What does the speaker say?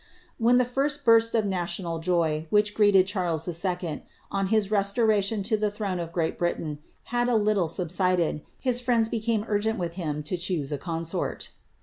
en the first burst of national joy, which greeted Charles II. on his ition to the throne of Great Britain, had a little subsided, his I became urgent with him to choose a consort.'